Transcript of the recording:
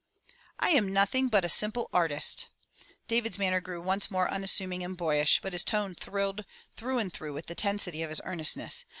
"I am nothing but a simple artist." David's manner grew once more unassuming and boyish, but his tone thrilled through and through with the tensity of his earnestness.